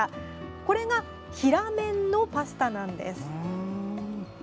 これが平麺のパスタなんです。